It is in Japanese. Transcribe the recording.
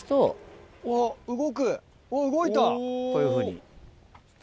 こういうふうに。